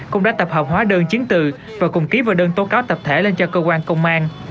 cũng đã tập hợp hóa đơn chiến từ và cùng ký vào đơn tố cáo tập thể lên cho cơ quan công an